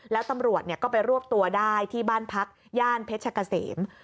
แล้วตำรวจก็ไปรวบตัวได้ที่บ้านพักย่านเพชรกะเสม